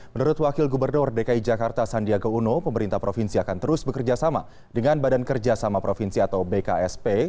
menurut wakil gubernur dki jakarta sandiaga uno pemerintah provinsi akan terus bekerja sama dengan badan kerjasama provinsi atau bksp